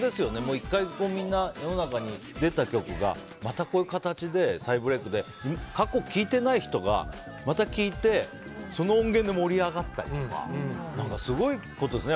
１回世の中に出た曲が、またこういう形で再ブレークで過去聴いてない人がまた聴いてその音源で盛り上がったりとかすごいことですよね。